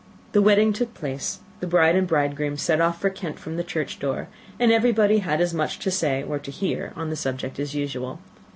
The wedding took place: the bride and bridegroom set off for Kent from the church door, and everybody had as much to say or to hear on the subject as usual.